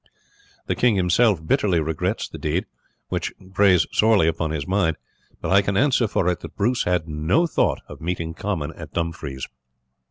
The king himself bitterly regrets the deed, which preys sorely upon his mind; but I can answer for it that Bruce had no thought of meeting Comyn at Dumfries."